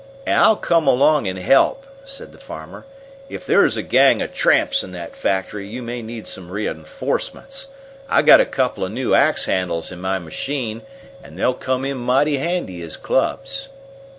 "And I'll come along and help," said the farmer. "If there's a gang of tramps in that factory, you may need some reinforcements. I've got a couple of new axe handles in my machine, and they'll come in mighty handy as clubs."